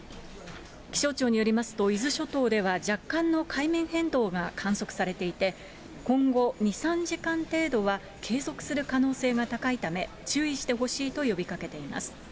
気象庁によりますと、伊豆諸島では若干の海面変動が観測されていて、今後２、３時間程度は、継続する可能性が高いため、注意してほしいと呼びかけています。